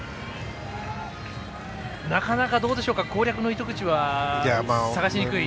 なかなか、攻略の糸口は探しにいくい？